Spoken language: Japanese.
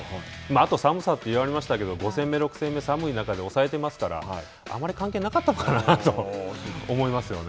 あと寒さと言われましたけど、５戦目、６戦目、寒い中で抑えてますからあまり関係なかったかなと思いますよね。